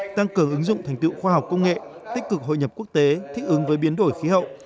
tăng cường ứng dụng thành tựu khoa học công nghệ tích cực hội nhập quốc tế thích ứng với biến đổi khí hậu